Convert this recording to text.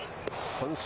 三振。